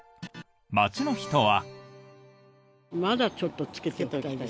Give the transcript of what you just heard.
街の人は。